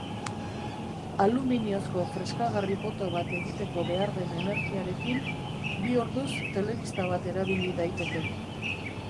Aluminiozko freskagarri poto bat egiteko behar den energiarekin, bi orduz telebista bat erabili daiteke.